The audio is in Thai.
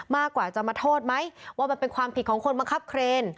มากกว่าจะมาโทษไหมว่ามันเป็นความผิดของคนบังคับเครน